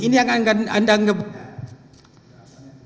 ini yang akan anda anggap